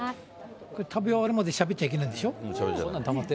これ、食べ終わるまでしゃべっちゃいけないんでしょ。